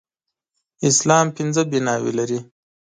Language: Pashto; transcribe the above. اسلام پنځه بناوې لري